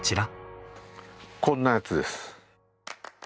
こんなやつです。